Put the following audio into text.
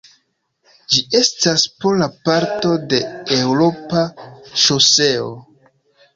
Ĝi estas pola parto de eŭropa ŝoseo.